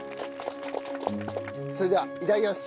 それではいただきます！